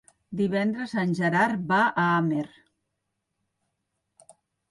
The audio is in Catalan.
Divendres en Gerard va a Amer.